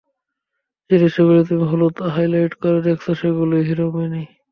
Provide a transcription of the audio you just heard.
যে দৃশ্যগুলি তুমি হলুদ হাইলাইট করা দেখছো, সেগুলির হিরো ম্যানি।